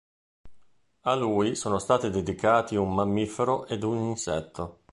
A lui sono stati dedicati un mammifero ed un insetto.